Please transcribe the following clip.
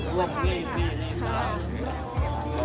พี่พ่อกลับไปชะเทศนะพี่พ่อกลับไปชะเทศนะ